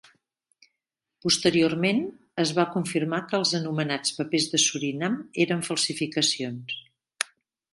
Posteriorment, es va confirmar que els anomenats papers de Surinam eren falsificacions.